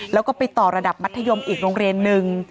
แล้วก็ไปต่อระดับมัธยมอีกโรงเรียนนึง